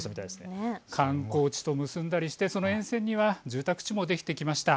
観光地と結んだりして、その沿線には住宅地もできてきました。